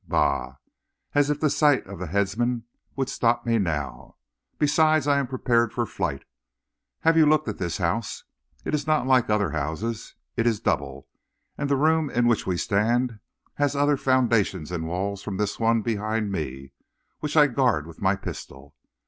Bah! as if the sight of the headsman would stop me now. Besides, I am prepared for flight. Have you looked at this house? It is not like other houses; it is double, and the room in which we stand has other foundations and walls from this one behind me which I guard with my pistol.